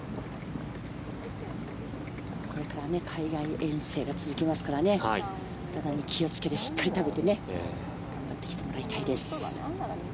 これから海外遠征が続きますから体に気をつけてしっかり食べて頑張っていただきたいです。